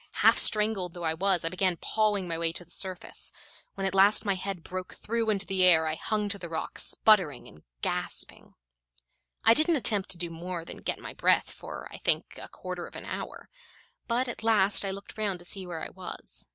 Half strangled though I was, I began pawing my way to the surface. When at last my head broke through into the air, I hung to the rock, sputtering and gasping. I didn't attempt to do more than get my breath for, I think, a quarter of an hour; but at last I looked round to see where I was.